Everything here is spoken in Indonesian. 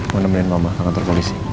berangkatan sama maba di kantor kofisi